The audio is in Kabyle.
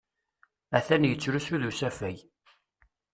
Atan yettrusu-d usafag.